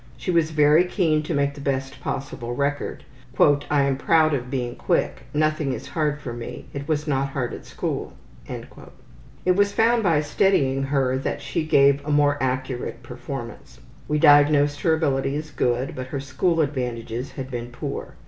She was very keen to make the best possible record. ``I am proud of being quick; nothing is hard for me; it was not hard at school.'' It was found by steadying her that she gave a more accurate performance. We diagnosed her ability as good, but her school advantages had been poor.